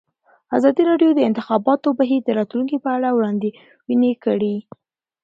ازادي راډیو د د انتخاباتو بهیر د راتلونکې په اړه وړاندوینې کړې.